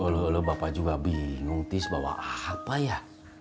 aluh aluh bapak juga bingung tis bawa apa ya